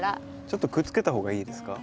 ちょっとくっつけた方がいいですか？